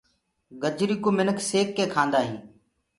گجري ڪوُ منک سيڪ ڪي کآندآ هينٚ۔